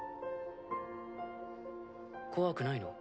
怖くないの？